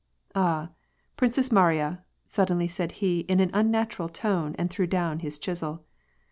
'' Ah ! Princess Mariya," suddenly said he in an unnatural tone and threw down his chisel.